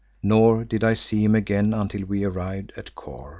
Nor did I see him again until we arrived at Kôr.